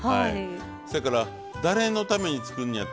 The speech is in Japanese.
それから誰のために作んねやっていう。